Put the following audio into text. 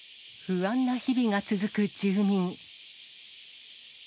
不安な日々が続く住人。